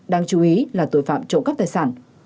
đáng chú ý là tội phạm trộm cắp tài sản